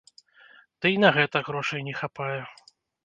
Ды й на гэта грошай не хапае.